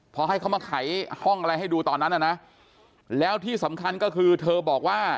พอให้เขามาไขห้องอะไรให้ดูตอนนั้นน่ะนะแล้วที่สำคัญก็คือเธอบอกว่า